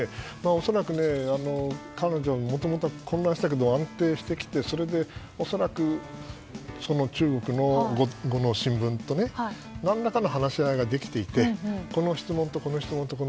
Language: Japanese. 恐らく彼女はもともと混乱していたけど安定してきてそれで恐らく中国語の新聞と何らかの話し合いができていてこの質問をすると。